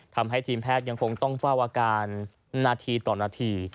ทำให้ทีมแพทย์ยังคงต้องเฝ้าอาการนาทีต่อนาที